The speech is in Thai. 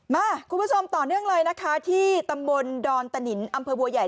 คุณผู้ชมต่อเนื่องเลยนะคะที่ตำบลดอนตะนินอำเภอบัวใหญ่